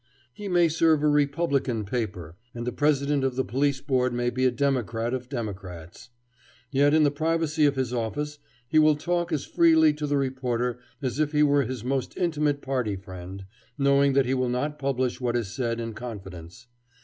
He may serve a Republican paper and the President of the Police Board may be a Democrat of Democrats; yet in the privacy of his office he will talk as freely to the reporter as if he were his most intimate party friend, knowing that he will not publish what is said in confidence.